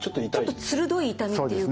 ちょっと鋭い痛みっていうか。